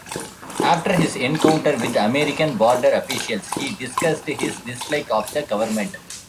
After his encounter with American border officials, he discussed his dislike of the government.